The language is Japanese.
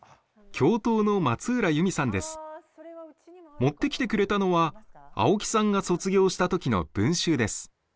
持ってきてくれたのは青木さんが卒業した時の文集です。